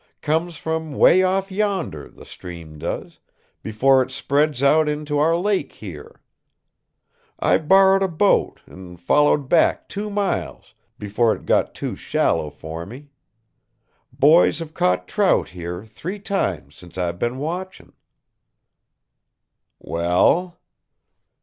Comes from way off yonder, the stream does, before it spreads out into our lake, here. I borrowed a boat and followed back two miles before it got too shallow for me. Boys have caught trout here three times since I've been watching." "Well?"